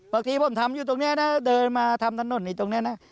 บางทีผมทำอยู่ตรงนี้นะเดินมาทำถนนในตรงนี้นะ